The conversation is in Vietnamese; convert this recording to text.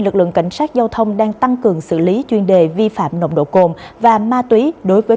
lực lượng cảnh sát giao thông đang tăng cường xử lý chuyên đề vi phạm nồng độ cồn và ma túy đối với